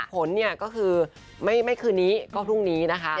ผลเนี่ยก็คือไม่คืนนี้ก็พรุ่งนี้นะคะ